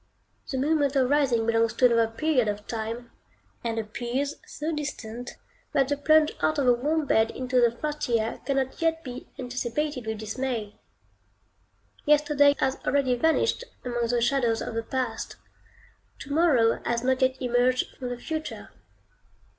The moment of rising belongs to another period of time, and appears so distant, that the plunge out of a warm bed into the frosty air cannot yet be anticipated with dismay. Yesterday has already vanished among the shadows of the past; to morrow has not yet emerged from the future.